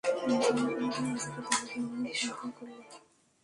Johnny, কেন তুমি নিজেকে দানবে রূপান্তর করলে?